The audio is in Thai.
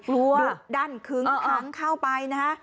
ดูดั้นคึ้งค้างเข้าไปนะฮะ